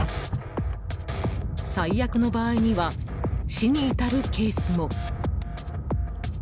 最悪の場合には死に至るケースも。